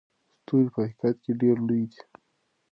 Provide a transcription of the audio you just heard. ستوري په حقیقت کې ډېر لوی دي.